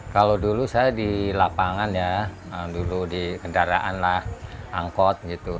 kalau dulu saya di lapangan ya yang dulu di kendaraan lah angkot gitu